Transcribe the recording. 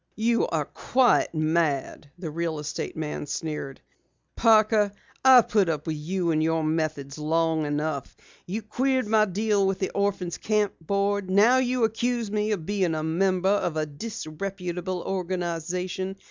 "You are quite mad," the real estate man sneered. "Parker, I've put up with you and your methods quite long enough. You queered my deal with the Orphans' Camp Board. Now you accuse me of being a member of a disreputable organization.